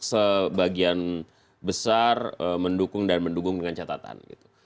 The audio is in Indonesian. sebagian besar mendukung dan mendukung dengan catatan gitu